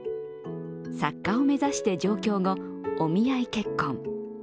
作家を目指して状況後お見合い結婚。